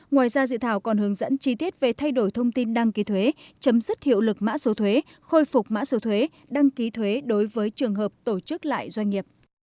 ngoài ra dự thảo còn hướng dẫn chi tiết về thay đổi thông tin đăng ký thuế chấm dứt hiệu lực mã số thuế khôi phục mã số thuế đăng ký thuế đối với trường hợp tổ chức lại doanh nghiệp